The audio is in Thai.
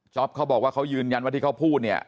เขาบอกว่าเขายืนยันว่าที่เขาพูดเนี่ย